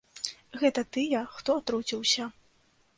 Гэта тыя, хто атруціўся.